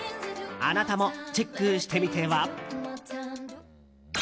あなたもチェックしてみては？